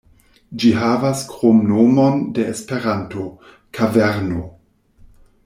Ĝi havas kromnomon de Esperanto, "Kaverno".